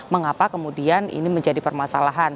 mengapa kemudian ini menjadi permasalahan